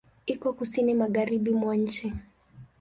Iko Kusini magharibi mwa nchi.